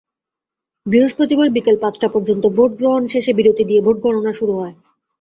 বৃহস্পতিবার বিকেল পাঁচটা পর্যন্ত ভোট গ্রহণ শেষে বিরতি দিয়ে ভোট গণনা শুরু হয়।